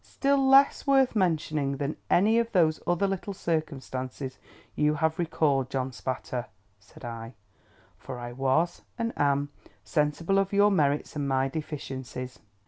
"Still less worth mentioning than any of those other little circumstances you have recalled, John Spatter," said I; "for I was, and am, sensible of your merits and my deficiencies."